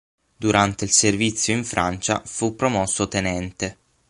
Durante il servizio in Francia fu promosso tenente.